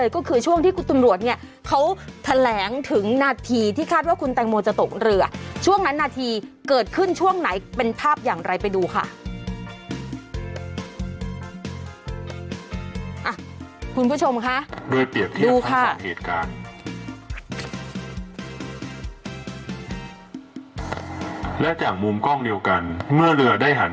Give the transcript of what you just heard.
ก็ต้องกินกระเทียมแล้วก็ข้นพ่นใสเลย